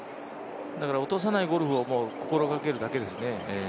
だから落とさないゴルフを心がけるだけですね。